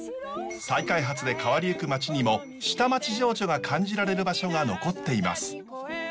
再開発で変わりゆく街にも下町情緒が感じられる場所が残っています。